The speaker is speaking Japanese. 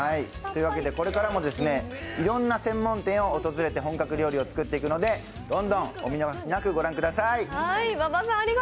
これからもいろんな専門店を訪れて本格料理を作っていくのでお見逃しなくご覧ください。